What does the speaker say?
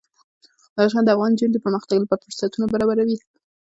بدخشان د افغان نجونو د پرمختګ لپاره فرصتونه برابروي.